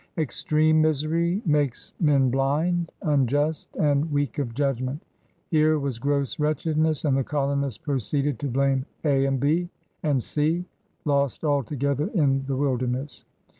...' Extreme misery makes men blind, unjust, and weak of judgment. Here was gross wretchedness, and the colonists proceeded to blame A and B and C, lost all together in the wilderness.